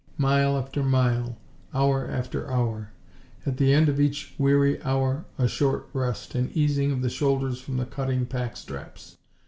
Mile after mile, hour after hour. At the end of each weary hour a short rest, an easing of the shoulders from the cutting pack straps.